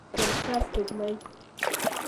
فرشته سپوږمۍ